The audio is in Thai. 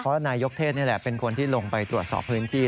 เพราะนายยกเทศนี่แหละเป็นคนที่ลงไปตรวจสอบพื้นที่